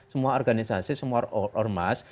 semua organisasi semua ormas